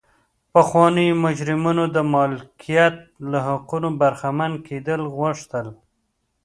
پخوانیو مجرمینو د مالکیت له حقونو برخمن کېدل غوښتل.